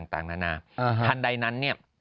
ต่างนานาทันใดนั้น